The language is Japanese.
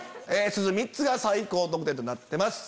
すず３つが最高得点となってます。